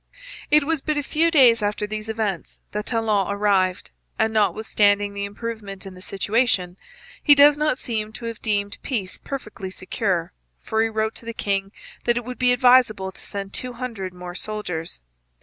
It was but a few days after these events that Talon arrived, and, notwithstanding the improvement in the situation, he does not seem to have deemed peace perfectly secure, for he wrote to the king that it would be advisable to send two hundred more soldiers.